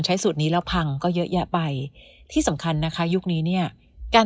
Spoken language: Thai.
สูตรนี้แล้วพังก็เยอะแยะไปที่สำคัญนะคะยุคนี้เนี่ยการ